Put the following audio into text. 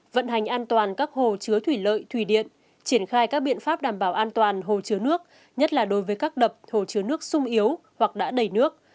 vận hành an toàn các hồ chứa thủy lợi thủy điện triển khai các biện pháp đảm bảo an toàn hồ chứa nước nhất là đối với các đập hồ chứa nước sung yếu hoặc đã đầy nước